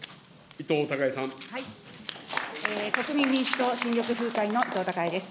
国民民主党・新緑風会の伊藤孝恵です。